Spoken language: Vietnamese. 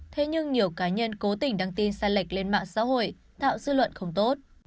thế nhưng nhiều cá nhân cố tình đăng tin sai lệch lên mạng xã hội tạo dư luận không tốt